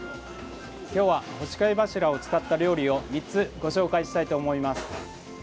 今日は干し貝柱を使った料理を３つご紹介したいと思います。